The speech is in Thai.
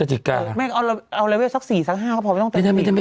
ช้างเตือนไว้